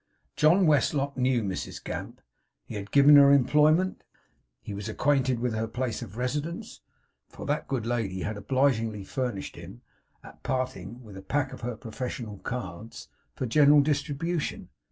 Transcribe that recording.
John Westlock knew Mrs Gamp; he had given her employment; he was acquainted with her place of residence: for that good lady had obligingly furnished him, at parting, with a pack of her professional cards for general distribution.